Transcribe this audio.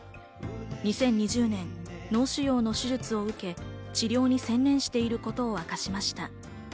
２０２０年、脳腫瘍の手術を受け、治療に専念していることを明かしました。